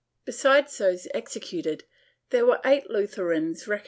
^ Besides those executed there were eight Luther 1 Bibl.